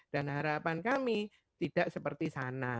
dan harapan kami tidak seperti sana